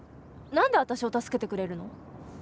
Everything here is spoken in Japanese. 何で私を助けてくれるの？